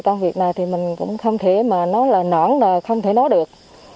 công việc này thì mình cũng không thấy mà nó là nóng là không thấy nó được